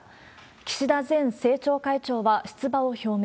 岸田前政調会長は出馬を表明。